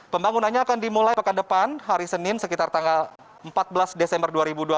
pembangunannya akan dimulai pekan depan hari senin sekitar tanggal empat belas desember dua ribu dua puluh